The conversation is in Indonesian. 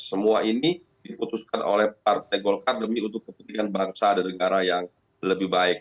semua ini diputuskan oleh partai golkar demi untuk kepentingan bangsa dan negara yang lebih baik